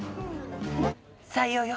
採用よ！